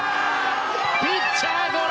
ピッチャーゴロ。